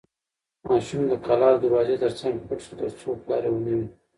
ماشوم د کلا د دروازې تر څنګ پټ شو ترڅو پلار یې ونه ویني.